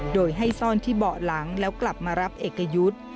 โดยให้ซ่อนที่เบาะหลังแล้วกลับมารับเอกยุทธ์